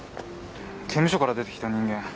刑務所から出てきた人間